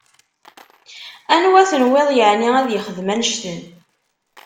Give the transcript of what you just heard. Anwa tenwiḍ yeεni ad yexdem annect-en?